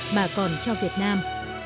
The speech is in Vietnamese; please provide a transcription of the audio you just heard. mà còn cho việt nam